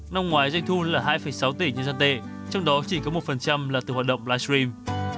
năm ngoái doanh thu là hai sáu tỷ nhân dân tệ trong đó chỉ có một là từ hoạt động livestream